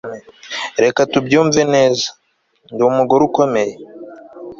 reka tubyumve neza, ndi umugore ukomeye